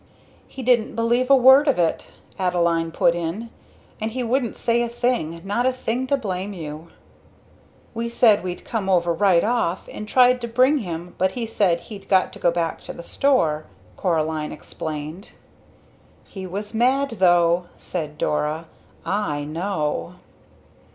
"He didn't believe it of course," Adeline put in. "And he wouldn't say a thing not a thing to blame you." "We said we'd come over right off and tried to bring him but he said he'd got to go back to the store," Coraline explained. "He was mad though!" said Dora "I know."